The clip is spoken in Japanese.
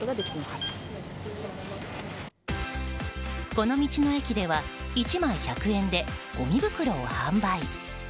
この道の駅では１枚１００円でごみ袋を販売。